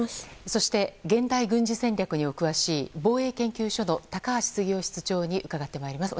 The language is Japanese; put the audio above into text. そして、現代軍事戦略にお詳しい防衛研究所の高橋杉雄室長に伺ってまいります。